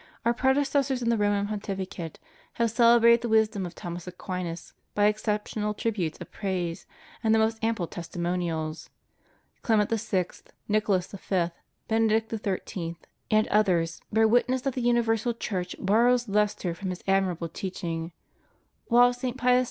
Our predecessors in the Roman pontificate have celebrated the wisdom of Thomas Aquinas by exceptional tributes of praise and the most ample testimonials. Clement VI,,* Nicholas V.,^ Benedict XIII.,' and others bear witness that the universal Church borrows lustre from his admirable teaching; while St. Pius v.